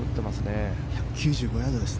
１９５ヤードです。